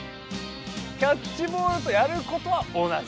キャッチボールとやることは同じ。